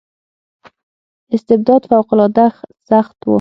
استبداد فوق العاده سخت و.